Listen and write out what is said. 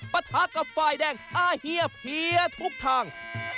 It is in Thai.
ปะทะกับไฟล์แดงอาเหี้ยเพี้ยทุกทาง